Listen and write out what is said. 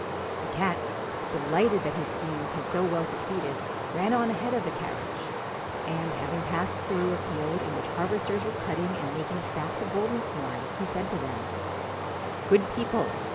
The cat, delighted that his schemes had so well succeeded, ran on ahead of the carriage; and having passed through a field in which harvesters were cutting and making stacks of golden corn, he said to them :' Good people